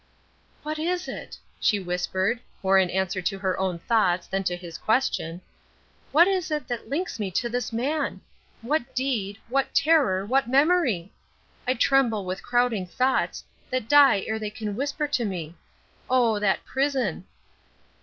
"What is it?" she whispered, more in answer to her own thoughts than to his question "what is it that links me to that man? What deed what terror what memory? I tremble with crowding thoughts, that die ere they can whisper to me. Oh, that prison!"